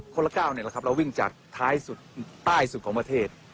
ละ๙นี่แหละครับเราวิ่งจากท้ายสุดใต้สุดของประเทศ